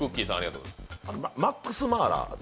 マックスマーラー。